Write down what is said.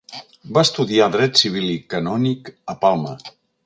Va estudiar dret civil i canònic a Palma.